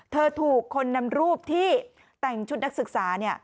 เธอถูกคนนำรูปที่แต่งชุดนักศึกษา